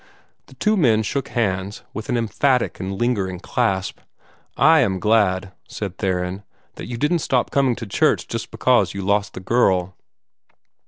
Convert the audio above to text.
The two men shook hands, with an emphatic and lingering clasp. "I am glad," said Theron, "that you didn't stop coming to church just because you lost the girl."